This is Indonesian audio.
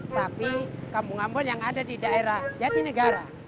tapi kampung ambon yang ada di daerah jatinegara